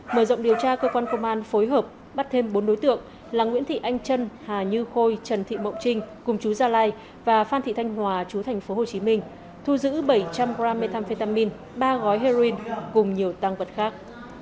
mở rộng điều tra cơ quan công an phối hợp bắt thêm bốn đối tượng là nguyễn thị anh trân hà như khôi trần thị mậu trinh cùng chú gia lai và phan thị thanh hòa chú thành phố hồ chí minh thu giữ bảy trăm linh g methamphetamine ba gói heroin cùng nhiều tăng quật khác